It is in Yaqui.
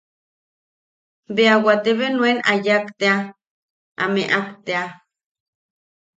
Bea wate bea nuen a yak tea, a meak tea.